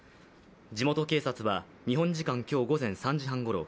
地元警察は日本時間今日午前３時半ごろ